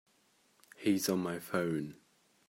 He's on my phone.